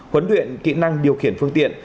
huấn luyện kỹ năng điều khiển phương tiện